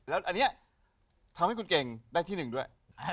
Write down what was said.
แล้วอันนี้ทำให้คุณเก่งได้ที่หนึ่งด้วย